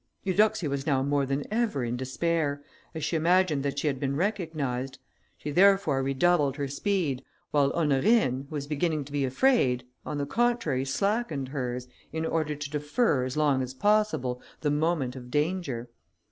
Eudoxia was now more than ever in despair, as she imagined that she had been recognised; she therefore redoubled her speed, while Honorine, who was beginning to be afraid, on the contrary slackened hers, in order to defer, as long as possible, the moment of danger.